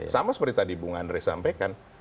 sama seperti tadi bung andre sampaikan